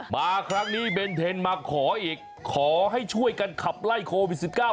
มาครั้งนี้เบนเทนมาขออีกขอให้ช่วยกันขับไล่โควิด๑๙